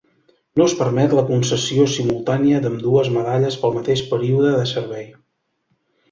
No es permet la concessió simultània d'ambdues medalles pel mateix període de servei.